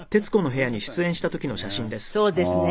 そうですね。